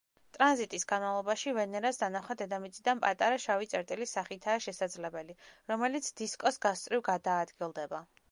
ტრანზიტის განმავლობაში, ვენერას დანახვა დედამიწიდან პატარა შავი წერტილის სახითაა შესაძლებელი, რომელიც დისკოს გასწვრივ გადაადგილდება.